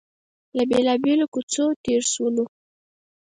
له بېلابېلو کوڅو تېر شولو.